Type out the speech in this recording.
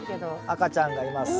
赤ちゃんがいます。